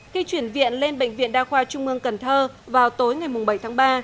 khi chuyển viện lên bệnh viện đa khoa trung ương cần thơ vào tối ngày bảy tháng ba